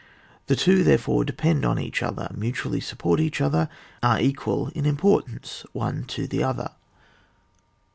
The two, therefore, de pend on each other, mutually support each other, are equal in importance one to the other.